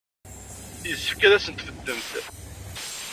Yessefk ad asent-tbeddem.